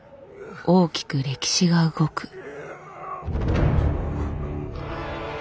大きく歴史が動く。